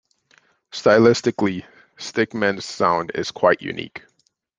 Stylistically, Stick Men's sound is quite unique.